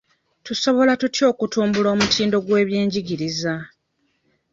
Tusobola tutya okutumbula omutindo gw'ebyenjigiriza?